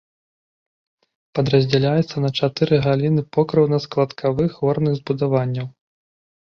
Падраздзяляецца на чатыры галіны покрыўна-складкавых горных збудаванняў.